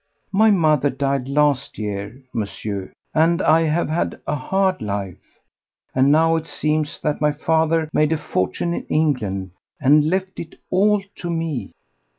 My mother died last year, Monsieur, and I have had a hard life; and now it seems that my father made a fortune in England and left it all to me."